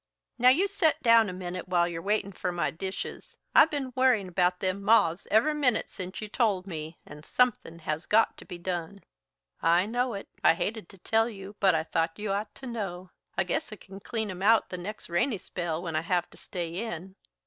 Now, you set down a minute while you're waitin' for my dishes. I've ben worryin' 'bout them moths every minute since you told me, and somethin' has got to be done." "I know it. I hated to tell you, but I thought you ought to know. I guess I c'n clean 'em out the next rainy spell when I have to stay in."